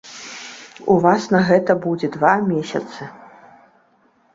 У вас на гэта будзе два месяцы.